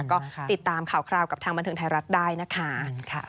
ก็ติดตามข่าวกับทางบันเทิงไทยรัฐได้นะคะ